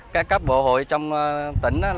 các bộ hội trong tỉnh